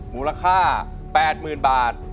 มูลค่าแปดหมื่นบาท